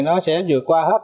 nó sẽ vượt qua hết